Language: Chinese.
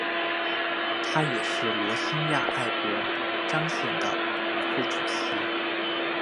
他也是罗兴亚爱国障线的副主席。